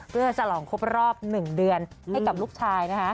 เพื่อฉลองครบรอบ๑เดือนให้กับลูกชายนะคะ